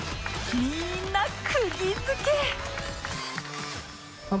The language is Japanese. みんなくぎ付け！